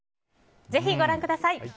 ぜひご覧ください。